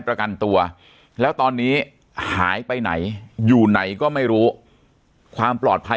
ประกันตัวแล้วตอนนี้หายไปไหนอยู่ไหนก็ไม่รู้ความปลอดภัย